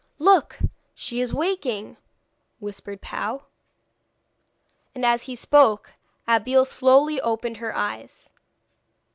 'Look, she is waking,' whispered Pau. And as he spoke Abeille slowly opened her eyes.